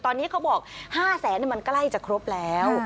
ตอนนี้เขาบอก๕แสนมันใกล้จะครบแล้ว